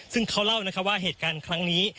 ซึ่งเขาเล่านะคะว่าเหตุการณ์ครั้งนี้